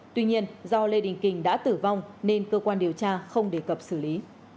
tuy nhiên do lê đình kình đã tử vong nên cơ quan điều tra không đề cập xử lý